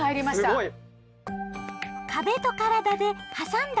すごい。